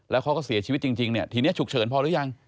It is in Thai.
แล้วเขาก็เสียชีวิตจริงเนี่ยทีนี้ฉุกเฉินพอหรือยัง